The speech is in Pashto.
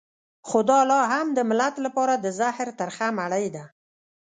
خو دا لا هم د ملت لپاره د زهر ترخه مړۍ ده.